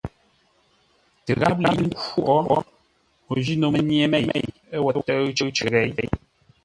Tə gháp lə̌i khwóʼ, o ji no mənye mêi wo tə́ʉ cər ləghěi.